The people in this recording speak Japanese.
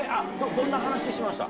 どんな話しました？